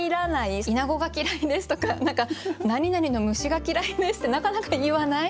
「イナゴが嫌いです」とか何か「なになにの虫が嫌いです」ってなかなか言わない。